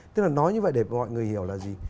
tức là nói như vậy để mọi người hiểu là gì